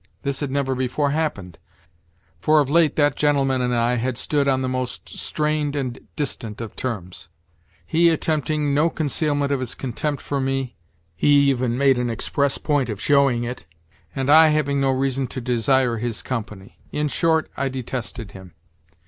This had never before happened, for of late that gentleman and I had stood on the most strained and distant of terms—he attempting no concealment of his contempt for me (he even made an express point of showing it), and I having no reason to desire his company. In short, I detested him.